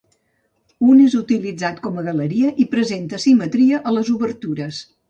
Un és utilitzat com a galeria i presenta simetria a les obertures.